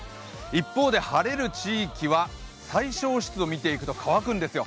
一方で晴れる地域は最小湿度を見ていくと、乾くんですよ。